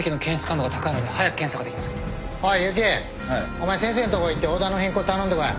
お前先生んとこ行ってオーダーの変更頼んでこい